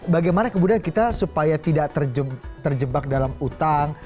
bagaimana kemudian kita supaya tidak terjebak dalam utang